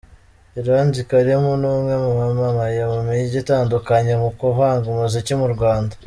Iranzi Karim ni umwe mu bamamaye mu mijyi itandukanye mu kuvanga umuziki mu Rwanda.